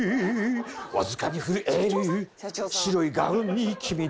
「わずかに震える白いガウンに君の」